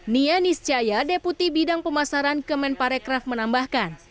nia niscaya deputi bidang pemasaran kemenparekraf menambahkan